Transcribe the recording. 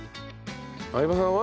相葉さんは？